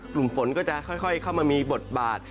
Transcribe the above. กลุ่มฝนก็จะค่อยเข้ามามีบทบาท